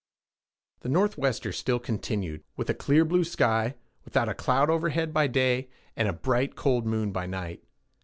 The northwester still continued, with a clear blue sky, without a cloud overhead by day, and a bright, cold moon by night.